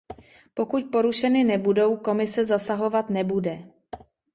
Pokud porušeny nebudou, Komise zasahovat nebude.